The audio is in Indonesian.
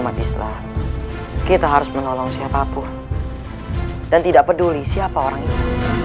haruslah kita harus menolong siapapun dan tidak peduli siapa orang ini